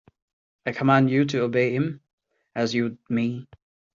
I command you to obey him as you would me.